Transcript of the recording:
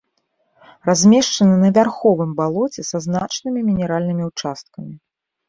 Размешчаны на вярховым балоце са значнымі мінеральнымі ўчасткамі.